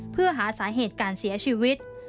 เพื่อหาสาเหตุการเสียชีวิต